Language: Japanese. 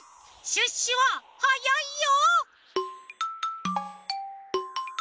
シュッシュははやいよ！